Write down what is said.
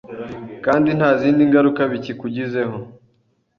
kandi nta zindi ngaruka bikugizeho,